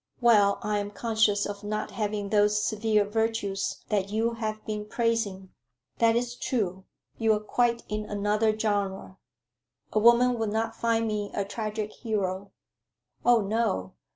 "Well, I am conscious of not having those severe virtues that you have been praising." "That is true. You are quite in another genre." "A woman would not find me a tragic hero." "Oh, no!